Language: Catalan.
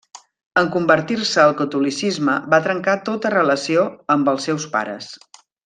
En convertir-se al catolicisme va trencar tota relació amb els seus pares.